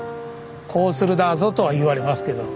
こうするだぞとは言われますけど。